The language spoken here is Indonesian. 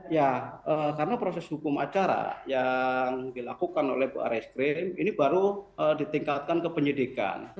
ya karena proses hukum acara yang dilakukan oleh pak reskrim ini baru ditingkatkan ke penyidikan